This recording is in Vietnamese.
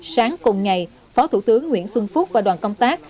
sáng cùng ngày phó thủ tướng nguyễn xuân phúc và đoàn công tác